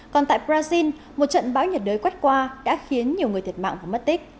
còn tại brazil một trận bão nhiệt đới quét qua đã khiến nhiều người thiệt mạng và mất tích